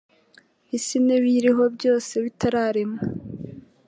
isi n’ibiyiriho byose bitararemwa